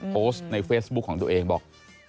โพสต์ในเฟซบุ๊คของตัวเองบอก